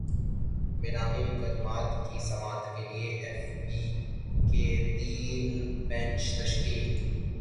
بے نامی مقدمات کی سماعت کیلئے ایف بی کے تین بینچ تشکیل